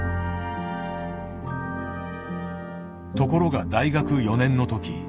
ところが大学４年の時。